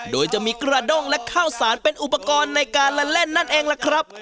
โดยจะมีกระด้งและข้าวสารเป็นอุปกรณ์ในการละเล่นนั่นเองล่ะครับ